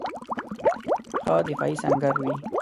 ښه دفاعي سنګر وي.